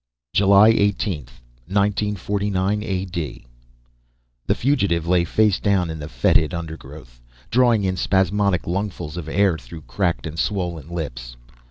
_ JULY 18, 1949 A.D. _The fugitive lay face down in the fetid undergrowth, drawing in spasmodic lungfuls of air through cracked and swollen lips.